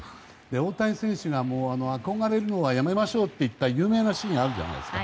大谷選手が憧れるのはやめましょうと言った有名なシーンがあるじゃないですか。